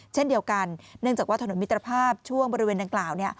เช่นเดียวกันเนื่องจากว่าถนนมิตรภาพช่วงบริเวณดังกล่าว